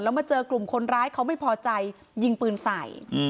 มาเจอกลุ่มคนร้ายเขาไม่พอใจยิงปืนใส่